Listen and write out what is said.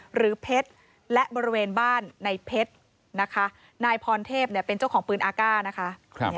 หรือเพชรและบริเวณบ้านในเพชรนะคะนายพรเทพเป็นเจ้าของปืนอากาศนะคะ